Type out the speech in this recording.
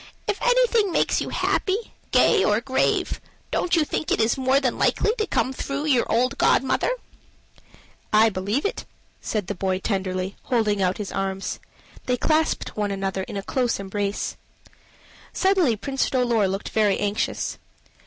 If anything makes you happy, gay, or grave, don't you think it is more than likely to come through your old godmother?" "I believe that," said the boy tenderly, holding out his arms. They clasped one another in a close embrace. Suddenly Prince Dolor looked very anxious.